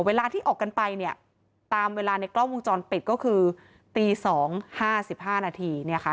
เวลาที่ออกกันไปเนี่ยตามเวลาในกล้องวงจรปิดก็คือตี๒๕๕นาทีเนี่ยค่ะ